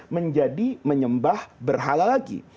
menjadi menyembah berhala lagi